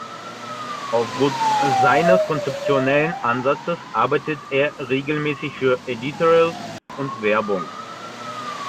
Aufgrund seines konzeptionellen Ansatzes arbeitet er regelmässig für Editorials und Werbung.